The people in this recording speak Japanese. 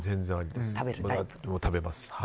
食べます。